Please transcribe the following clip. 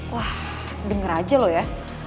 wah denger aja loh ya